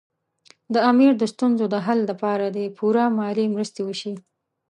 د امیر د ستونزو د حل لپاره دې پوره مالي مرستې وشي.